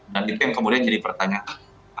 dan itu yang kemudian jadi pertanyaan